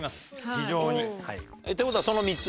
非常に。って事はその３つ？